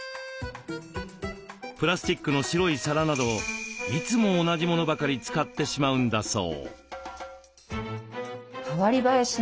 プラスチックの白い皿などいつも同じものばかり使ってしまうんだそう。